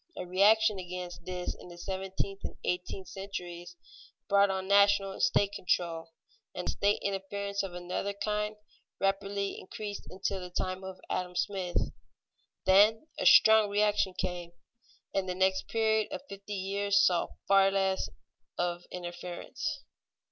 A reaction against this in the seventeenth and eighteenth centuries brought on national and state control, and state interference of another kind rapidly increased until the time of Adam Smith. Then a strong reaction came, and the next period of fifty years saw far less of interference.